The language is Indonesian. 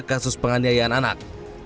kasus penganiayaan anak